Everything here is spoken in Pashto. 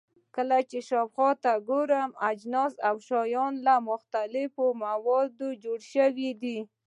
کله چې شاوخوا ته وګورئ، اجناس او شیان له مختلفو موادو جوړ شوي دي.